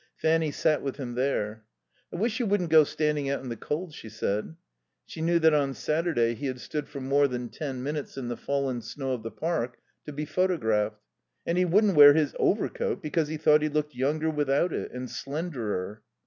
Fanny sat with him there. "I wish you wouldn't go standing out in the cold," she said. She knew that on Saturday he had stood for more than ten minutes in the fallen snow of the park to be photographed. And he wouldn't wear his overcoat because he thought he looked younger without it, and slenderer.